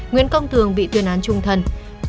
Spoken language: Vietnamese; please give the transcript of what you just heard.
nguyễn công thường bị tuyên án trung thân